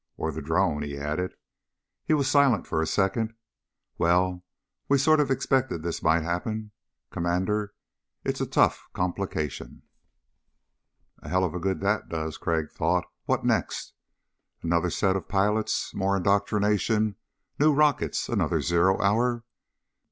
Or the drone," he added. He was silent for a second. "Well, we sort of expected this might happen, Commander. It's a tough complication." A helluva lot of good that does, Crag thought. What next? Another set of pilots, more indoctrination, new rockets, another zero hour.